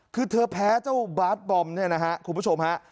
คือเธอแพ้เจ้าบาสบอมเนี่ยนะฮะคุณผู้ชมฮะ